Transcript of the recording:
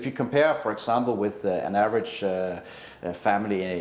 jadi jika anda membandingkan dengan keluarga yang berbeda